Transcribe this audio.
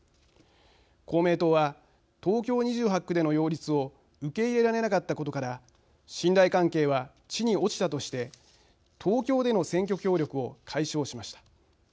公明党は東京２８区での擁立を受け入れられなかったことから信頼関係は地に落ちたとして東京での選挙協力を解消しました。